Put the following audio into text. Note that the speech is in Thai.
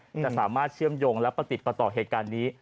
จะสามารถเชื่อมโยงและประติดประต่อเหตุการณ์นี้